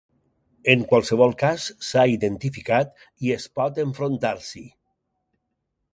En qualsevol cas, s'ha identificat i es pot enfrontar-s'hi.